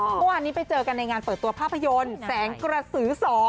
เมื่อวานนี้ไปเจอกันในงานเปิดตัวภาพยนตร์แสงกระสือ๒